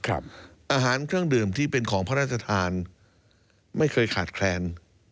อาหารเครื่องดื่มที่เป็นของพระราชทานไม่เคยขาดแคลน